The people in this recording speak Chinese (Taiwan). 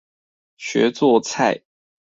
學做菜